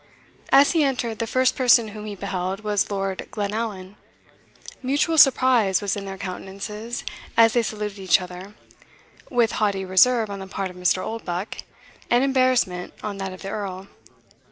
As he entered, the first person whom he beheld was Lord Glenallan. Mutual surprise was in their countenances as they saluted each other with haughty reserve on the part of Mr. Oldbuck, and embarrassment on that of the Earl.